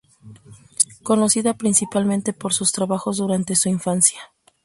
Conocida principalmente por sus trabajos durante su infancia.